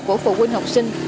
của phụ huynh học sinh